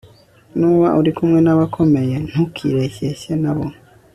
nuba uri kumwe n'abakomeye, ntukireshyeshye na bo